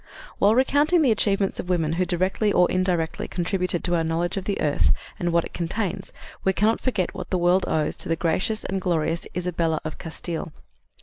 " While recounting the achievements of women who directly or indirectly contributed to our knowledge of the earth and what it contains we cannot forget what the world owes to the gracious and glorious Isabella of Castile.